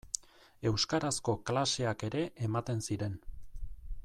Euskarazko klaseak ere ematen ziren.